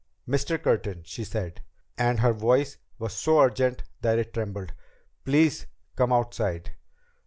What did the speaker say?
"Mr. Curtin," she said, and her voice was so urgent that it trembled, "please come outside."